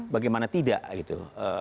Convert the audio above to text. bagaimana tidak gitu